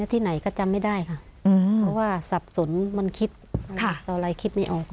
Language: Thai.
ที่ไหนก็จำไม่ได้ค่ะเพราะว่าสับสนมันคิดต่ออะไรคิดไม่ออก